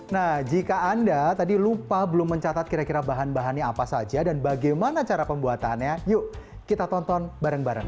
nah jika anda tadi lupa belum mencatat kira kira bahan bahannya apa saja dan bagaimana cara pembuatannya yuk kita tonton bareng bareng